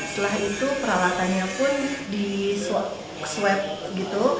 setelah itu peralatannya pun diswep gitu